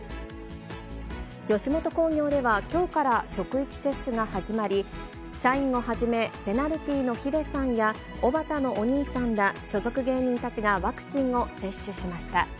吉本興業では、きょうから職域接種が始まり、社員をはじめ、ペナルティのヒデさんや、おばたのお兄さんら、所属芸人たちがワクチンを接種しました。